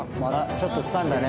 ちょっとつかんだね。